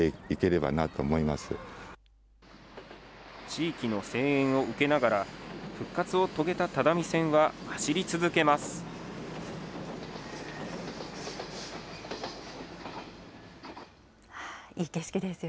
地域の声援を受けながら、復活を遂げた只見線は走り続けます。